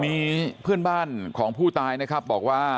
มีเพื่อนบ้านของผู้ตายนะครับบอกว่า